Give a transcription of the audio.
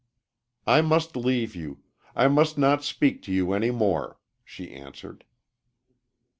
"I must leave you I must not speak to you any more," she answered.